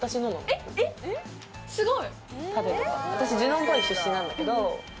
えすごい！